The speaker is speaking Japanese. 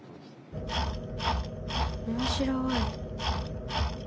面白い。